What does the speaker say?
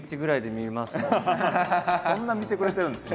そんな見てくれてるんですね